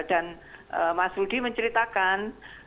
dan mas rudy menceritakan